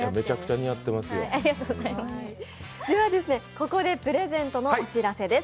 ここでプレゼントのお知らせです。